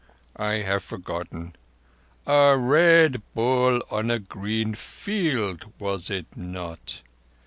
I have forgotten. A Red Bull on a green field, was it not?"